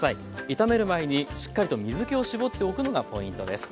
炒める前にしっかりと水けを絞っておくのがポイントです。